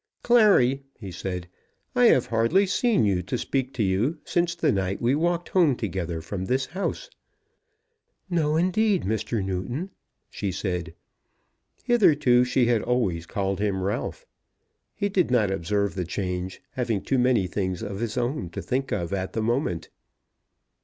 "Clary," he said, "I have hardly seen you to speak to you since the night we walked home together from this house." "No, indeed, Mr. Newton," she said. Hitherto she had always called him Ralph. He did not observe the change, having too many things of his own to think of at the moment.